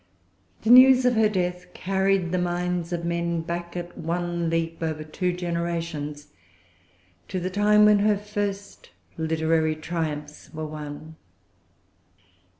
The news of her death carried the minds of men back at one leap over two generations, to the time when her first literary triumphs were won.